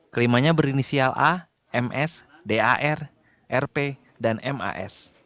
kelimanya berinisial a ms dar rp dan mas